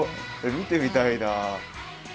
見てみたいな。